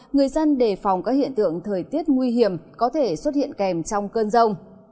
người dân đề phòng các hiện tượng thời tiết nguy hiểm có thể xuất hiện kèm trong cơn rông